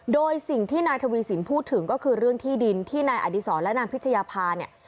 โดยสิ่งที่นายทวีสินพูดถึงก็คือเรื่องที่ดินที่นายอดีศรและนางพิชยาภาเนี่ย